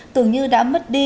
tưởng như đã mất đi